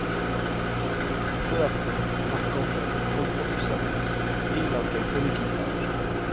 Peu après, l'Archangel reprend du service et il intègre l'équipage.